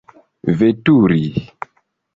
veturi